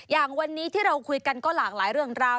อย่างวันนี้ที่เราคุยกันก็หลากหลายเรื่องราว